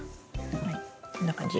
はいこんな感じ。